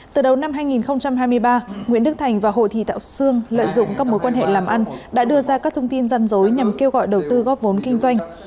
từ đầu năm hai nghìn hai mươi ba nguyễn đức thành và hồ thị thảo sương lợi dụng các mối quan hệ làm ăn đã đưa ra các thông tin răn rối nhằm kêu gọi đầu tư góp vốn kinh doanh